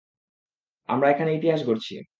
আমরা এখানে ইতিহাস গড়ছি।